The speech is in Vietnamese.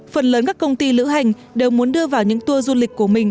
phần lớn các công ty lữ hành đều muốn đưa vào những tour du lịch của mình